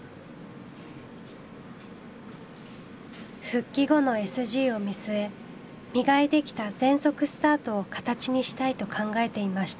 復帰後のＳＧを見据え磨いてきた全速スタートを形にしたいと考えていました。